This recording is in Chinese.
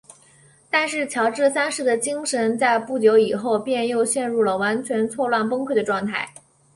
但是乔治三世的精神在不久以后便又陷入了完全错乱崩溃的状态。